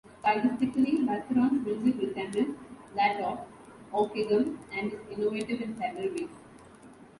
Stylistically Basiron's music resembles that of Ockeghem, and is innovative in several ways.